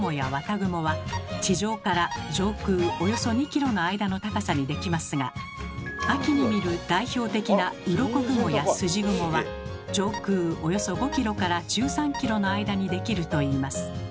雲は地上から上空およそ２ｋｍの間の高さにできますが秋に見る代表的なうろこ雲やすじ雲は上空およそ５ｋｍから１３ｋｍの間にできるといいます。